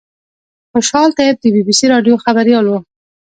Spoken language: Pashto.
خوشحال طیب د بي بي سي راډیو خبریال و.